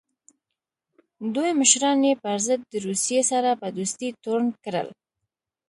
دوی مشران یې پر ضد د روسیې سره په دوستۍ تورن کړل.